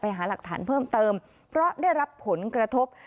หาหลักฐานเพิ่มเติมเพราะได้รับผลกระทบ